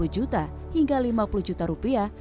dua puluh juta hingga lima puluh juta rupiah